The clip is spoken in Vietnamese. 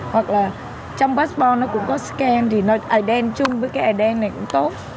hoặc là trong passport nó cũng có scan thì nó ảy đen chung với cái ảy đen này cũng tốt